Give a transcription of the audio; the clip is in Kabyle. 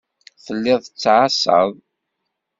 Telliḍ tettɛassaḍ.